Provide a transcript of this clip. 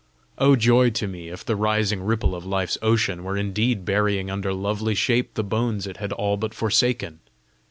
Oh joy to me, if the rising ripples of life's ocean were indeed burying under lovely shape the bones it had all but forsaken!